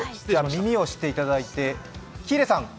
耳をしていただいて、喜入さん。